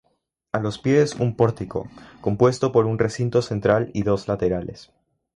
A los pies un pórtico, compuesto por un recinto central y dos laterales.